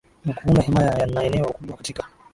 na kuunda himaya na eneo kubwa Katika